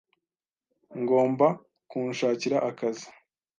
Ngomba kunshakira akazi.